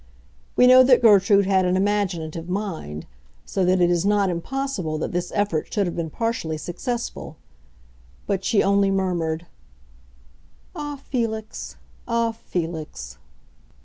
We know that Gertrude had an imaginative mind; so that it is not impossible that this effort should have been partially successful. But she only murmured, "Ah, Felix! ah, Felix!"